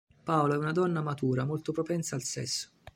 Paola è una donna matura molto propensa al sesso.